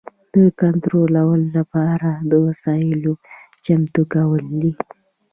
د کنټرول لپاره د وسایلو چمتو کول دي.